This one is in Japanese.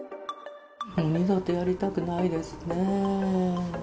二度とやりたくないですね。